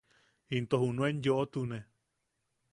Into junuen yo’otune.